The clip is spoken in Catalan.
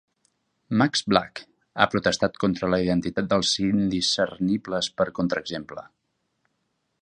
Max Black ha protestat contra la identitat dels indiscernibles per contraexemple.